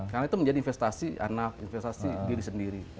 karena itu menjadi investasi anak investasi diri sendiri